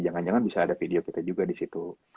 jangan jangan bisa ada video kita juga disitu